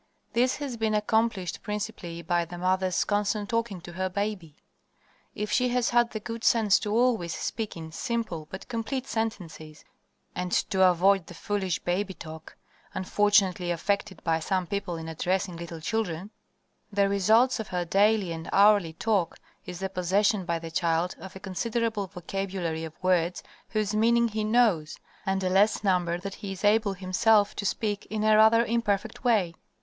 This has been accomplished principally by the mother's constant talking to her baby. If she has had the good sense to always speak in simple but complete sentences, and to avoid the foolish "baby talk" unfortunately affected by some people in addressing little children, the results of her daily and hourly talk is the possession by the child of a considerable vocabulary of words whose meaning he knows, and a less number that he is able himself to speak in a rather imperfect way.